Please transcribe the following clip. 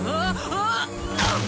あっ！